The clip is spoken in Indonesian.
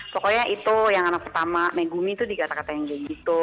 pokoknya itu yang anak pertama megumi itu dikatakan gitu